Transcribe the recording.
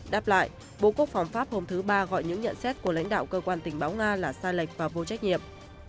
đáp lại bộ quốc phòng pháp hôm thứ ba gọi những nhận xét của lãnh đạo cơ quan tình báo nga là sai lệch và vô trách nhiệm